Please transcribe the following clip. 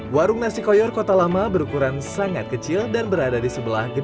warung nasi koyor kota lama berukuran sangat kecil dan berada di sebelah gedung